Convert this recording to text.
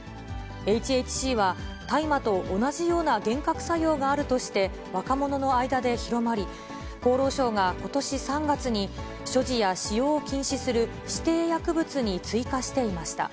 ＨＨＣは、大麻と同じような幻覚作用があるとして、若者の間で広まり、厚労省がことし３月に、所持や使用を禁止する指定薬物に追加していました。